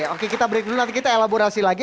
oke kita break dulu nanti kita elaborasi lagi